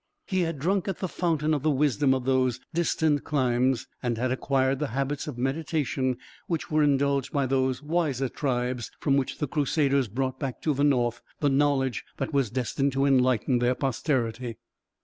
He had drunk at the fountain of the wisdom of those distant climes, and had acquired the habits of meditation which were indulged by those wiser tribes from which the Crusaders brought back to the North the knowledge that was destined to enlighten their posterity.